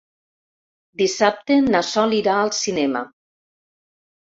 Dissabte na Sol irà al cinema.